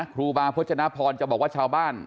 ครูบาพจนพรจะบอกว่าชาวบ้าน